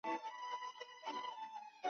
瓦唐下梅内特雷奥勒人口变化图示